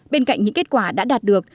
bên cạnh những kết quả đã đạt được